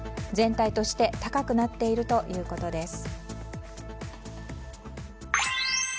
全体として高くなっているということです。